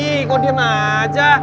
ih kau diam aja